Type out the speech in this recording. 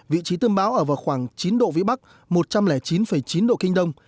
vị trí tâm bão ở vào khoảng chín độ vĩ bắc một trăm linh chín chín độ kinh đông